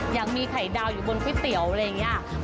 อย่างมีไข่ดาวอยู่บนก๋วยเตี๋ยวอะไรอย่างนี้